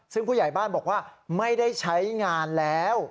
ซึ่งผู้ใหญ่บ้านบอกว่าไม่ได้ใช้งานแล้ว